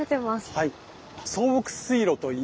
はい。